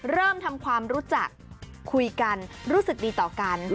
เริ่มทำความรู้จักคุยกันรู้สึกดีต่อกัน